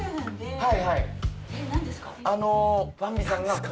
はい。